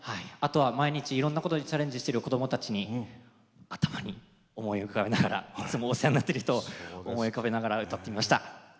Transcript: あとは毎日、いろんなことにチャレンジしている子どもたちに頭に思い浮かべながらいつもお世話になっている人を思い浮かべながら歌っていました。